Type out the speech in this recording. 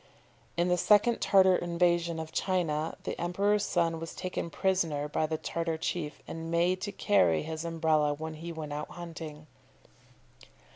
In the second Tartar invasion of China the emperor's son was taken prisoner by the Tartar chief, and made to carry his Umbrella when he went out hunting.